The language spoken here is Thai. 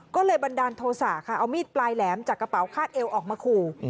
ก็เลยบันดาลโทษะค่ะเอามีดปลายแหลมจากกระเป๋าคาดเอวออกมาขู่